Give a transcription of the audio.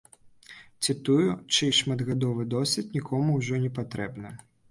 Ці тую, чый шматгадовы досвед нікому ўжо не патрэбны.